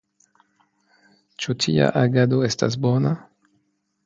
Ĉu tia agado estas bona?